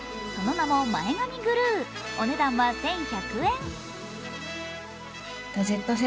その名も、前髪グルーお値段は１１００円。